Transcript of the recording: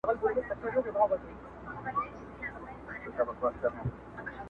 • چي ستا په مخ کي د خالق د کور ښکلا ووینم -